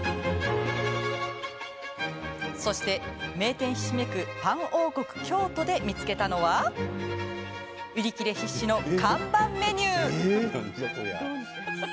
そして、名店ひしめくパン王国、京都で見つけたのは売り切れ必至の看板メニュー。